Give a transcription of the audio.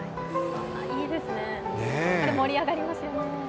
いいですね、これ、盛り上がりますよね。